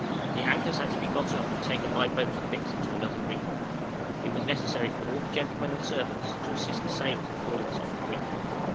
The anchors had to be got up and taken by boat to fix into another reef. It was necessary for all the gentlemen and servants to assist the sailors in hauling us off the reef.